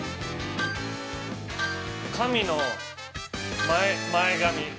神の前髪。